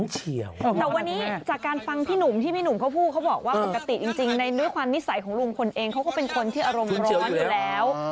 แต่วันนี้จากการฟังพี่หนุ่มที่พี่หนุ่มเขาพูดเขาบอกว่าปกติจริงในด้วยความนิสัยของลุงพลเองเขาก็เป็นคนที่อารมณ์ร้อนอยู่แล้ว